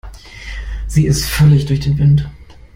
Sie ist völlig durch den Wind.